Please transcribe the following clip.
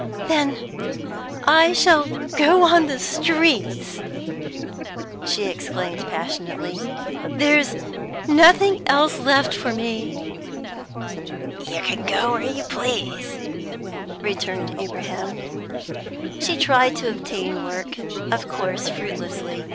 "Then I shall go on the streets!" she exclaimed passionately. "There's nothing else left for me." "You can go where you please," returned Abraham. She tried to obtain work, of course fruitlessly.